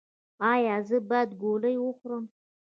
ایا زه باید ګولۍ وخورم؟